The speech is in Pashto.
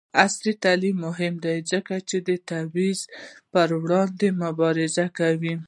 عصري تعلیم مهم دی ځکه چې د تبعیض پر وړاندې مبارزه کوي.